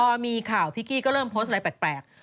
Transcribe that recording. พอมีข่าวพิกกี้ก็เริ่มโพสต์อะไรแปลก